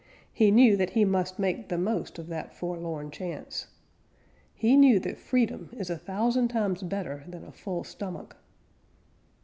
He knew that he must make the most of that forlorn chance. He knew that freedom is a thousand times better than a full stomach.